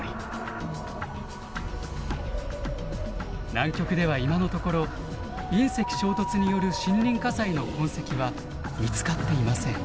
南極では今のところ隕石衝突による森林火災の痕跡は見つかっていません。